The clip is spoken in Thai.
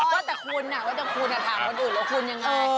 ว่าแต่คุณถ้าถามคนอื่นคุณยังไง